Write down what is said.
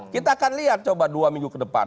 kita akan lihat coba dua minggu ke depan